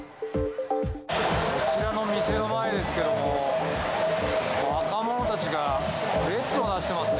こちらの店の前ですけども、若者たちが列をなしてますね。